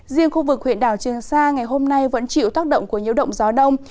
riêng khu vực huyện đảo trường sa ngày hôm nay vẫn chịu tác động của nhiễu động gió đông